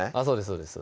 そうです